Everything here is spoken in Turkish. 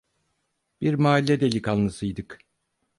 Bir mahalle delikanlısıydık.